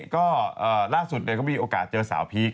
ก็ล่าสุดก็มีโอกาสเจอสาวพีค